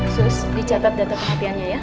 sus dicatat data perhatiannya ya